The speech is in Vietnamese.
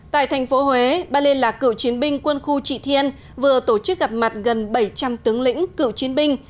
tại thành phố huế ban liên lạc cựu chiến binh quân khu trị thiên vừa tổ chức gặp mặt gần bảy trăm linh tướng lĩnh cựu chiến binh